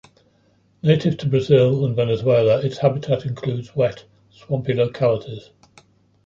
Native to Brazil and Venezuela, its habitat includes wet, swampy localities.